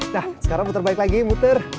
nah sekarang muter balik lagi muter